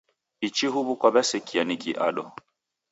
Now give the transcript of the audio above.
Ichi huw'u kwaw'esekia niki ado.